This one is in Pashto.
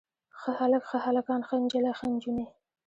ښه هلک، ښه هلکان، ښه نجلۍ ښې نجونې.